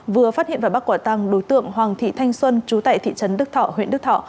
vừa phát hiện và bắt quả tăng đối tượng hoàng thị thanh xuân chú tại thị trấn đức thọ huyện đức thọ